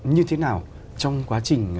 như thế nào trong quá trình